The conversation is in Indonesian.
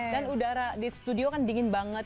dan udara di studio kan dingin banget